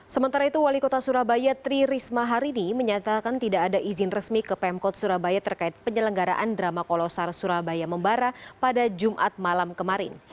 sementara itu wali kota surabaya tri risma harini menyatakan tidak ada izin resmi ke pemkot surabaya terkait penyelenggaraan drama kolosar surabaya membara pada jumat malam kemarin